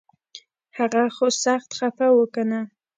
هغه خو سخت خفه و کنه